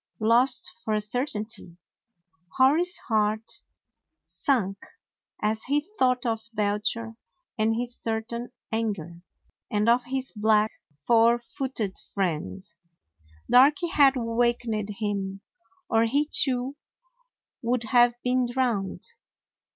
Lost for a cer tainty. Hori's heart sank as he thought of Belcher and his certain anger, and of his black, 113 DOG HEROES OF MANY LANDS four footed friend. Darky had wakened him, or he too would have been drowned.